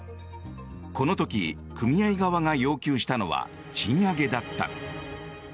この時、組合側が要求したのは賃上げだった。